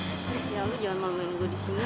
chris ya lo jangan manggungin gue disini